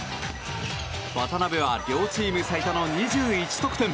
渡邊は両チーム最多の２１得点。